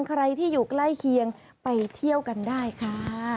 ใครที่อยู่ใกล้เคียงไปเที่ยวกันได้ค่ะ